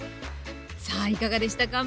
さあいかがでしたか？